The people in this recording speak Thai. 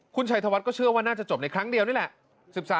คุณชัยธวัฒน์ก็เชื่อว่าน่าจะจบในครั้งเดียวนี่แหละ